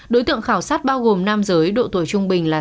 đối tượng khảo sát bao gồm nam giới độ tuổi trung bình là sáu mươi ba